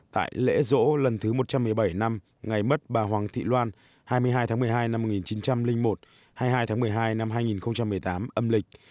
tại lễ rỗ lần thứ một trăm một mươi bảy năm ngày mất bà hoàng thị loan hai mươi hai tháng một mươi hai năm một nghìn chín trăm linh một hai mươi hai tháng một mươi hai năm hai nghìn một mươi tám âm lịch